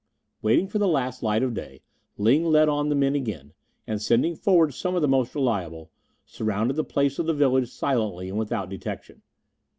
Waiting for the last light of day, Ling led on the men again, and sending forward some of the most reliable, surrounded the place of the village silently and without detection.